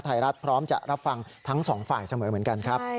ไทยรัฐพร้อมจะรับฟังทั้งสองฝ่ายเสมอเหมือนกันครับ